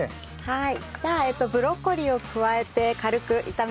はい。